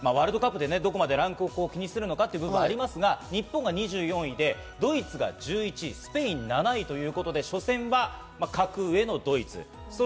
ランク、ワールドカップでどこまでランクをいくのかというのもありますが、日本２４位、ドイツが１１位、スペイン７位です初戦は格上のドイツ。